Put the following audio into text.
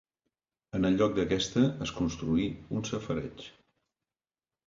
En el lloc d'aquesta es construí un safareig.